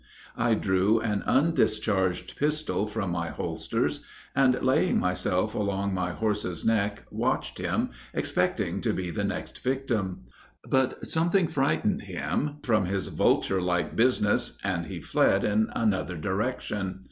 I drew an undischarged pistol from my holsters, and laying myself along my horse's neck, watched him, expecting to be the next victim; but something frightened him from his vulture like business, and he fled in another direction.